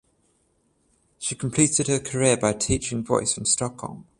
She completed her career by teaching voice in Stockholm.